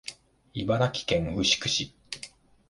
茨城県牛久市